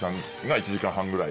１時間半ぐらい。